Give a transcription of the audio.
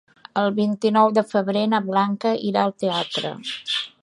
El vint-i-nou de febrer na Blanca irà al teatre.